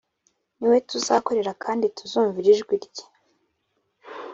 ni we tuzakorera kandi tuzumvira ijwi rye